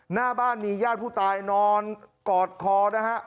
หน้าบ้านมีญาติผู้ตายนอนกอดคอนะฮะ